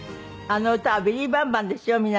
あの歌はビリー・バンバンですよ